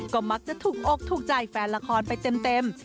ก็มักจะถูกอกถูกใจแฟนละครไปเต็ม